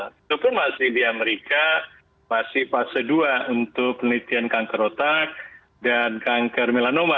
walaupun masih di amerika masih fase dua untuk penelitian kanker otak dan kanker melanoma